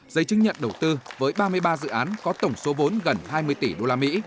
giấy chứng nhận đầu tư với ba mươi ba dự án có tổng số vốn gần hai mươi tỷ usd